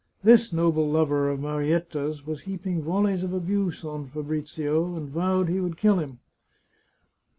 This noble lover of Marietta's was heaping volleys of abuse on Fabrizio, and vowed he would kill him.